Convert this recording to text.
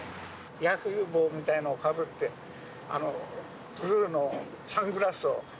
野球帽みたいのかぶって、ブルーのサングラスを。